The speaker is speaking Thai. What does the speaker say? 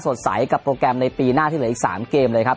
สดใสกับโปรแกรมในปีหน้าที่เหลืออีก๓เกมเลยครับ